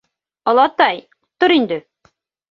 — Олатай, тор инде!